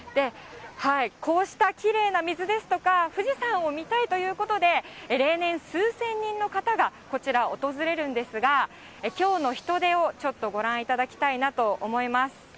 こうしたきれいな水ですとか、富士山を見たいということで、例年、数千人の方がこちらを訪れるんですが、きょうの人出をちょっとご覧いただきたいなと思います。